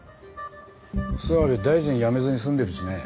諏訪部大臣辞めずに済んでるしね。